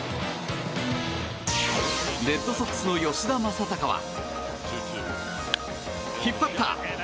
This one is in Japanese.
レッドソックスの吉田正尚は引っ張った！